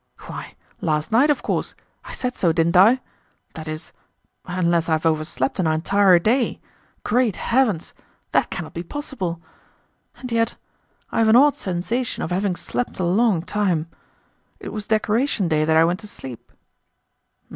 "Why, last night, of course; I said so, didn't I? that is, unless I have overslept an entire day. Great heavens! that cannot be possible; and yet I have an odd sensation of having slept a long time. It was Decoration Day that I went to sleep."